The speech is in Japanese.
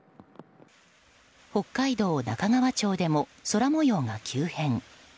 北海道中川町でも空模様が急変。